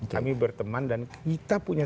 kami berteman dan kita punya